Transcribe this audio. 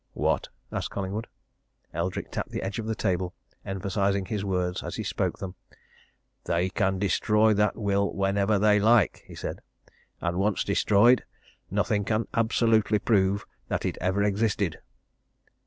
"What?" asked Collingwood. Eldrick tapped the edge of the table, emphasizing his words as he spoke them. "They can destroy that will whenever they like!" he said. "And once destroyed, nothing can absolutely prove that it ever existed!"